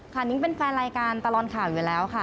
นิ้งเป็นแฟนรายการตลอดข่าวอยู่แล้วค่ะ